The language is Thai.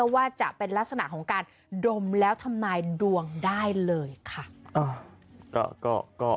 ว่าจะเป็นลักษณะของการดมแล้วทำนายดวงได้เลยค่ะ